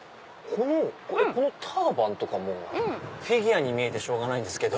このターバンフィギュアに見えてしょうがないんですけど。